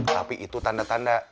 tapi itu tanda tanda